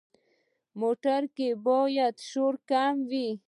موټر کې باید شور کم وي.